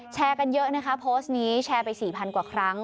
แชร์กันเยอะนะคะโพสต์นี้แชร์ไป๔๐๐กว่าครั้ง